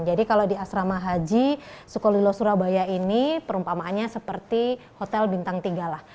jadi kalau di asrama haji sukolilo surabaya ini perumpamaannya seperti hotel bintang tiga lah